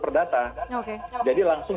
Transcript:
perdata jadi langsung